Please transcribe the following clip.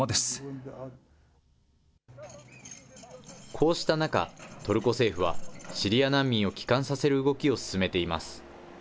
こうした中、トルコ政府はシリア難民を帰還させる動きを進めています。